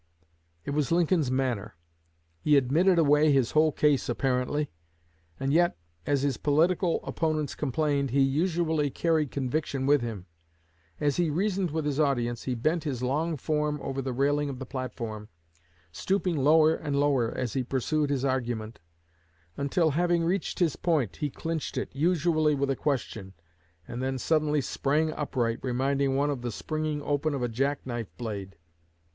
It was Lincoln's manner. He admitted away his whole case apparently and yet, as his political opponents complained, he usually carried conviction with him. As he reasoned with his audience, he bent his long form over the railing of the platform, stooping lower and lower as he pursued his argument, until, having reached his point, he clinched it, usually with a question, and then suddenly sprang upright, reminding one of the springing open of a jack knife blade.